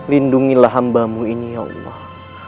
lindungilah hambamu ini ya allah